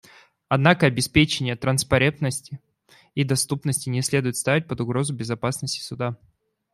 Однако обеспечение транспарентности и доступности не следует ставить под угрозу безопасность Суда.